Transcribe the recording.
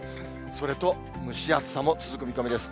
それと蒸し暑さも続く見込みです。